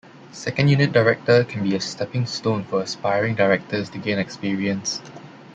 Second unit director can be a stepping stone for aspiring directors to gain experience.